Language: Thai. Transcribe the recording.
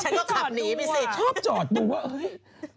ก็ขับหนีไปสิชอบจอดดูว่าเฮ้ย